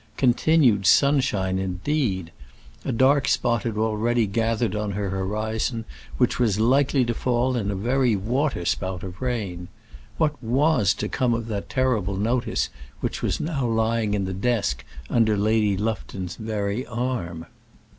Continued sunshine indeed! A dark spot had already gathered on her horizon which was likely to fall in a very waterspout of rain. What was to come of that terrible notice which was now lying in the desk under Lady Lufton's very arm?